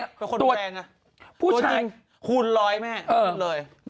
เป็นคนแรงอ่ะผู้ชายคูณร้อยแม่พูดเลย